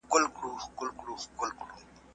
اوبه پاکه کړه